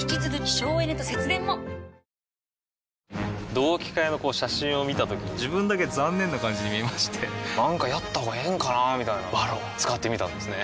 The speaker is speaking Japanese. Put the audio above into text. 同期会の写真を見たときに自分だけ残念な感じに見えましてなんかやったほうがええんかなーみたいな「ＶＡＲＯＮ」使ってみたんですね